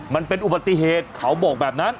มันเป็นอุบัติเหตุเขาบอกแบบนั้น